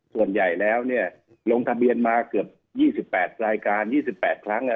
ส่วนใหญ่แล้วเนี่ยลงทะเบียนมาเกือบ๒๘รายการ๒๘ครั้ง